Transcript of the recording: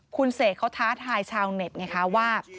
คุณเสกเขาท้าทายชาวเน็ตไงคะว่า